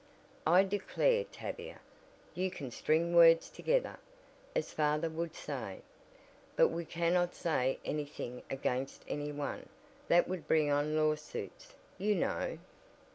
"I declare, Tavia, you can string words together, as father would say. But we cannot say anything against any one. That would bring on lawsuits, you know."